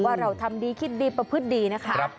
ว่าเราทำดีคิดดีประพฤติดีนะคะ